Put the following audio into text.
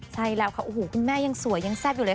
ใช่แล้วค่ะโอ้โหคุณแม่ยังสวยยังแซ่บอยู่เลย